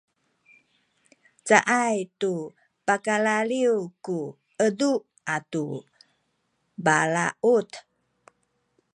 caay tu pakalaliw ku edu atu balaut